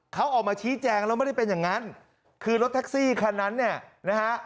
เขาออกมาชี้แจงแล้วไม่ได้เป็นอย่างนั้นคือรถแท็กซี่คันนั้นเนี่ยนะฮะ